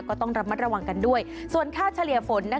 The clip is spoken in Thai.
ก็ต้องระมัดระวังกันด้วยส่วนค่าเฉลี่ยฝน